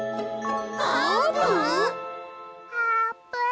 あーぷん！？